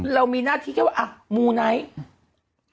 เรามีหน้าที่แค่ว่าอ่ะมูไนท์